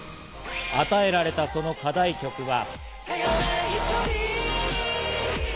与えられたその課題曲は。